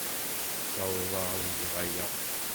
Ssawḍeɣ ad geɣ aya.